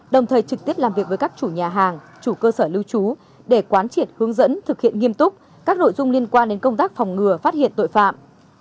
đồng thời trực tiếp làm việc với các chủ nhà hàng chủ cơ sở lưu trú để quán triệt hướng dẫn thực hiện nghiêm túc các nội dung liên quan đến công tác phòng ngừa phát hiện tội phạm